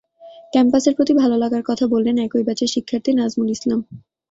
ক্যাম্পাসের প্রতি ভালো লাগার কথা বললেন একই ব্যাচের শিক্ষার্থী নাজমুল ইসলাম।